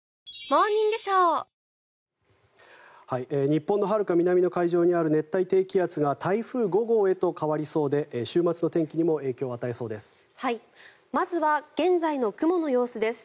日本のはるか南の海上にある熱帯低気圧が台風５号へと変わりそうで週末の天気にも影響を与えそうです。